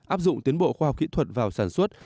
áp dụng tiến bộ khoa học kỹ thuật vào sản xuất